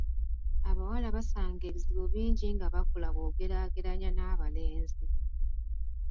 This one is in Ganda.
Abawala basanga ebizibu bingi nga bakula bw'ogeraageranya n'abalenzi.